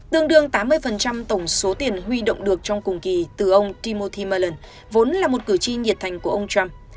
tương đương tám mươi tổng số tiền huy động được trong cùng kỳ từ ông kimoti menan vốn là một cử tri nhiệt thành của ông trump